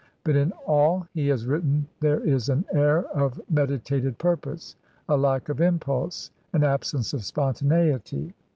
But in all he has written there is an air of meditated purpose, a lack of impulse, an absence of spontaneity.